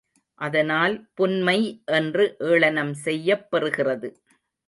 அதனால் புன்மை என்று ஏளனம் செய்யப் பெறுகிறது.